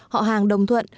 họ hàng đồng thuận